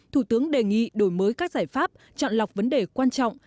thủ tướng đề nghị đổi mới các giải pháp chọn lọc vấn đề quan trọng